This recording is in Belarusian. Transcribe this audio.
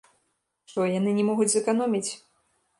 Што, яны не могуць зэканоміць?